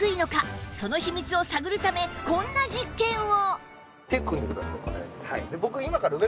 その秘密を探るためこんな実験を